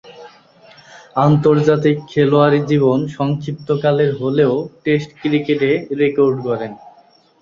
আন্তর্জাতিক খেলোয়াড়ী জীবন সংক্ষিপ্তকালের হলেও টেস্ট ক্রিকেটে রেকর্ড গড়েন।